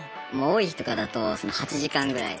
多い日とかだと８時間ぐらい。